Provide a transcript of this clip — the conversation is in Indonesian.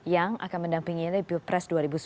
yang akan mendampingi repu pres dua ribu sembilan belas